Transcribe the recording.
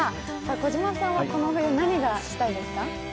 児嶋さんは、この冬、何がしたいですか？